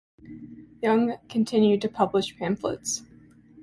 Young continued to publish pamphlets.